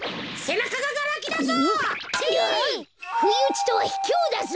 ふいうちとはひきょうだぞ。